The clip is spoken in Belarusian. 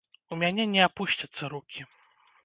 У мяне не апусцяцца рукі.